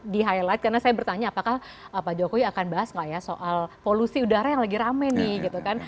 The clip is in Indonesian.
di highlight karena saya bertanya apakah pak jokowi akan bahas nggak ya soal polusi udara yang lagi rame nih gitu kan